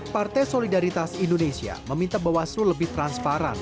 partai solidaritas indonesia meminta bawaslu lebih transparan